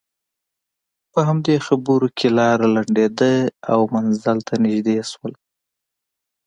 په همدې خبرو کې لاره لنډېده او منزل ته نژدې شول.